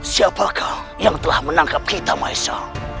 siapa kau yang telah menangkap kita maisa